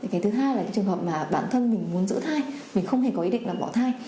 cái thứ hai là những trường hợp mà bản thân mình muốn giữ thai mình không hề có ý định là bỏ thai